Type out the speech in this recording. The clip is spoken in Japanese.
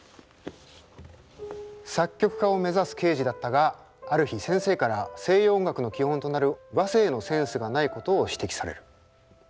作曲家を目指すケージだったがある日先生から西洋音楽の基本となる和声のセンスがないことを指摘される。